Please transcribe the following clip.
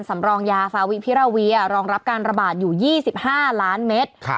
สำรองยาฟาวิพิราเวียรองรับการระบาดอยู่๒๕ล้านเมตร